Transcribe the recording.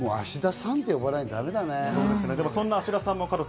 芦田さんって呼ばないとだめだね。